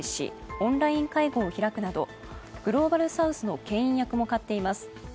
オンライン会合を開くなどグローバルサウスのけん引役も買っています。